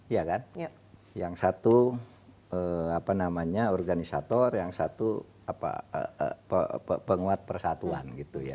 ya kan yang satu organisator yang satu penguat persatuan